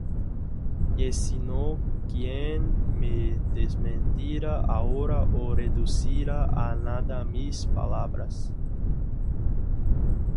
Y si no, ¿quién me desmentirá ahora, O reducirá á nada mis palabras?